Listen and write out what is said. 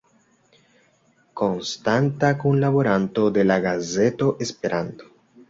Konstanta kunlaboranto de la gazeto Esperanto.